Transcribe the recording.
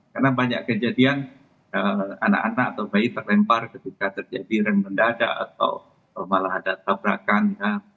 karena banyak kejadian anak anak atau bayi terlempar ketika terjadi rem mendadak atau malah ada tabrakan ya